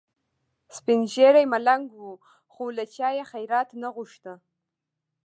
سپین ږیری ملنګ و خو له چا یې خیرات نه غوښت.